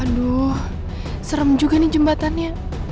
aduh serem juga nih jembatannya